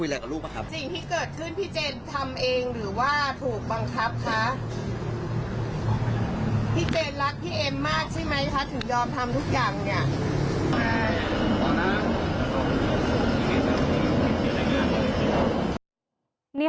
พี่เจนรักพี่เอ็มมากใช่ไหมคะถึงยอมทำทุกอย่างเนี่ย